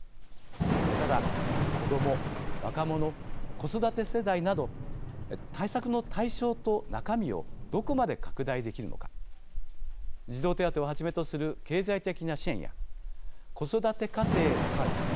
ただ、子ども、若者子育て世帯など対策の対象と中身をどこまで拡大できるのか児童手当をはじめとする経済的な支援や子育て家庭へのサービス